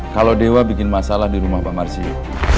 kalau dewa bikin masalah di rumah pak marsiu